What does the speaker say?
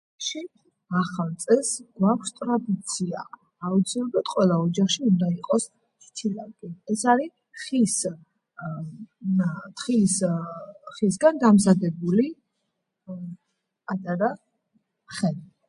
ახალი წელს წელს გვაქვს ტრადიცია, აუცილებლად ყველა ოჯახში უნდა იყოს ჩიჩილაკი, ეს არის თხილის ხისგან დამზადებული პატარა ხე